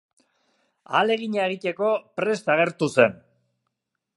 Ahalegina egiteko prest agertu zen.